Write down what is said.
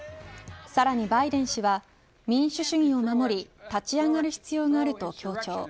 さらにバイデン氏は民主主義を守り立ち上がる必要があると強調。